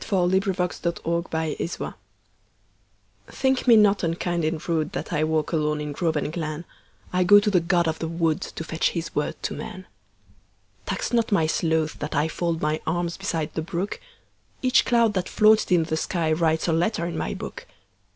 The Apology THINK me not unkind and rudeThat I walk alone in grove and glen;I go to the god of the woodTo fetch his word to men. Tax not my sloth that IFold my arms beside the brook; Each cloud that floated in the skyWrites a letter in my book.